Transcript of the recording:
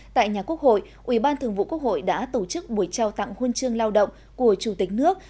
tại nhà quốc hội ủy ban thường vụ quốc hội đã tổ chức buổi trao tặng huân chương lao động của chủ tịch nước